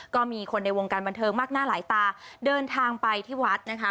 ก็มีคนในวงการบันเทิงมากหน้าหลายตาเดินทางไปที่วัดนะคะ